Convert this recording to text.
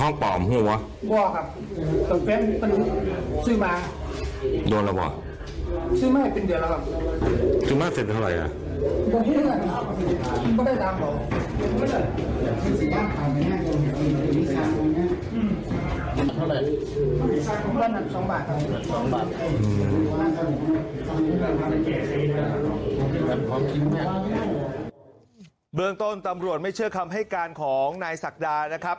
เมืองต้นตำรวจไม่เชื่อคำให้การของนายศักดานะครับ